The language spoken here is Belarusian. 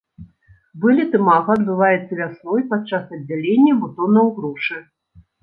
Вылет імага адбываецца вясной падчас аддзялення бутонаў грушы.